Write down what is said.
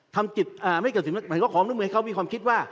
ทำจิตไม่เกิดสินค้าหมายความรู้มือให้เขามีความคิดว่า